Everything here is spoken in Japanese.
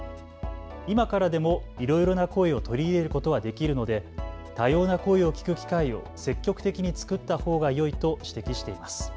今からでもいろいろな声を取り入れることはできるので多様な声を聞く機会を積極的に作ったほうがよいと指摘しています。